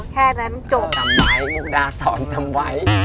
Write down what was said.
แค่นั้นโจทย์จำไว้มุมดาสอนจำไว้